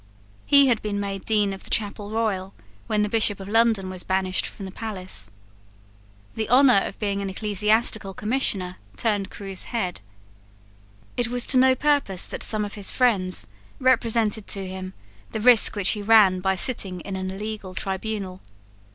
He had been made Dean of the Chapel Royal when the Bishop of London was banished from the palace. The honour of being an Ecclesiastical Commissioner turned Crewe's head. It was to no purpose that some of his friends represented to him the risk which he ran by sitting in an illegal tribunal.